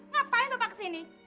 ngapain bapak ke sini